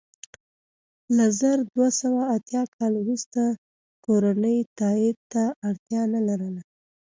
له زر دوه سوه اتیا کال وروسته کورنیو تایید ته اړتیا نه لرله.